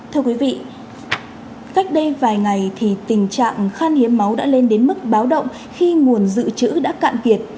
thưa quý vị cách đây vài ngày thì tình trạng khan hiếm máu đã lên đến mức báo động khi nguồn dự trữ đã cạn kiệt